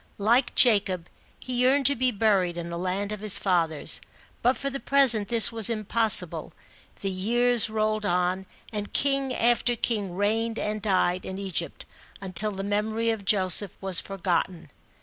Like Jacob, he yearned to be buried in the land of his fathers, but for the present this was impossible. The years rolled on, and king after king reigned and died in Egypt, until the memory of Joseph was forgotten.